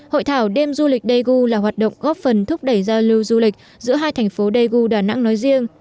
hội thảo đêm du lịch daegu là hoạt động góp phần thúc đẩy giao lưu du lịch giữa hai thành phố daegu đà nẵng nói riêng